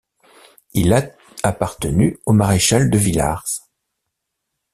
Il a appartenu au Maréchal de Villars.